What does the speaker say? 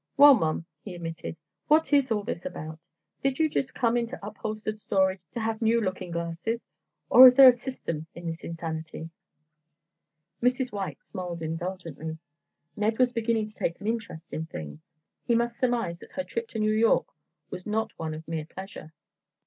"Well, Mom," he emitted, "what is it all about? Did you just come into upholstered storage to have new looking glasses? Or is there a system in this insanity?" Mrs. White smiled indulgently. Ned was beginning to take an interest in things. He must surmise that her trip to New York was not one of mere pleasure.